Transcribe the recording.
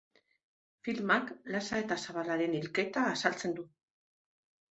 Filmak Lasa eta Zabalaren hilketa azaltzen du.